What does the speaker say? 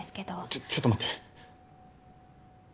ちょちょっと待って。